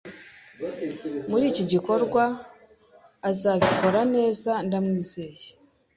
Muri iki gikorwa azabikora neza ndamwizeye